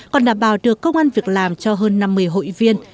còn đảm bảo được công an việc làm cho hơn năm mươi hội viên